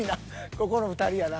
ここの２人やな。